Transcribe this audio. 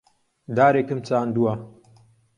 دارێکم چاندووە.